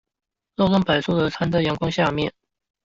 漏洞百出的攤在陽光下面